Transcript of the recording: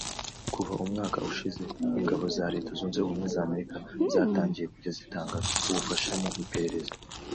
Kuva umwaka ushize ingabo za Leta Zunze Ubumwe z’Amerika zatangiye kujya zitanga ubufasha mu iperereza